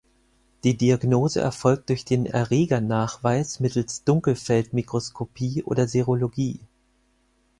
Die Diagnose erfolgt durch den Erregernachweis mittels Dunkelfeldmikroskopie oder Serologie.